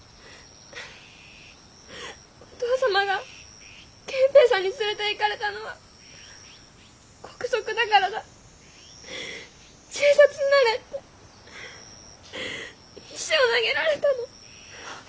お父様が憲兵さんに連れていかれたのは国賊だからだ銃殺になれって石を投げられたの。